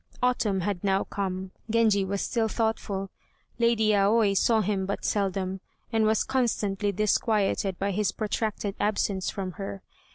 Autumn had now come; Genji was still thoughtful. Lady Aoi saw him but seldom, and was constantly disquieted by his protracted absence from her.